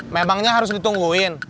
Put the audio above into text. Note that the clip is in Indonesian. memangnya harus ditungguin